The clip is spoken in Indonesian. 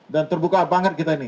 dan terbuka banget kita